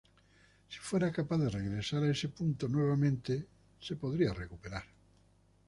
Si fuera capaz de regresar a ese punto nuevamente, pueden recuperarlos.